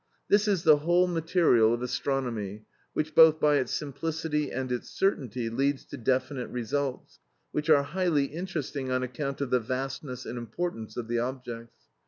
This is the whole material of astronomy, which both by its simplicity and its certainty leads to definite results, which are highly interesting on account of the vastness and importance of the objects.